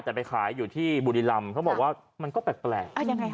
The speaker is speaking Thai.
แต่ไปขายอยู่ที่บุรีรำเขาบอกว่ามันก็แปลกอ่ายังไงคะ